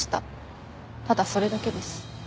ただそれだけです。